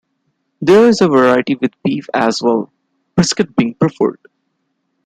There is a variety with beef as well, brisket being preferred.